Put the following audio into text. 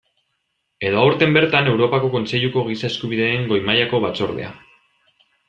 Edo aurten bertan Europako Kontseiluko Giza Eskubideen Goi mailako Batzordea.